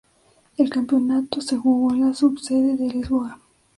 El campeonato se jugó en la subsede de Lisboa.